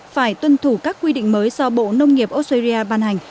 phải tuân thủ các quy định mới do bộ nông nghiệp australia ban hành